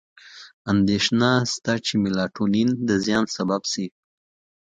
اندېښنه شته چې میلاټونین د زیان سبب شي.